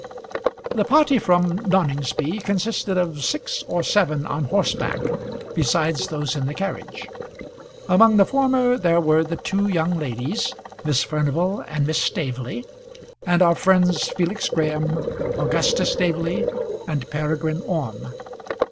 The party from Noningsby consisted of six or seven on horseback, besides those in the carriage. Among the former there were the two young ladies, Miss Furnival and Miss Staveley, and our friends Felix Graham, Augustus Staveley, and Peregrine Orme.